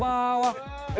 dia mau semuanya